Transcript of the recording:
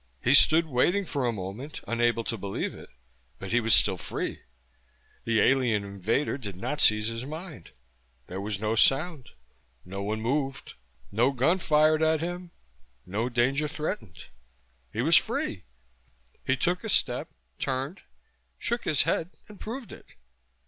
He stood waiting for a moment, unable to believe it; but he was still free. The alien invader did not seize his mind. There was no sound. No one moved. No gun fired at him, no danger threatened. He was free; he took a step, turned, shook his head and proved it.